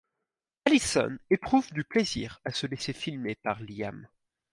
Alison éprouve du plaisir à se laisser filmer par Liam.